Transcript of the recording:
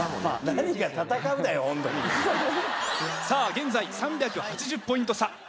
さあ現在３８０ポイント差。